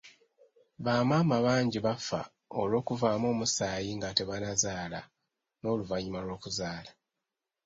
Bamaama bangi bafa olw'okuvaamu omusaayi nga tebannazaala n'oluvannyuma lw'okuzaala.